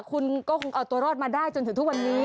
คุณก็คงเอาตัวรอดมาได้จนถึงทุกวันนี้